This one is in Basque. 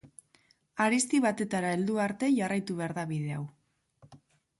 Harizti batetara heldu arte jarraitu behar da bide hau.